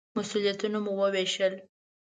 مسوولیتونه مو ووېشل.